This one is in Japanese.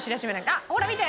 あっほら見て！